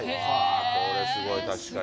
これはすごい、確かに。